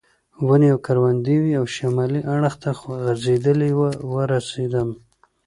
ونې او کروندې وې او شمالي اړخ ته غځېدلې وه ورسېدم.